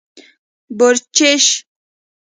🐊 بورچېش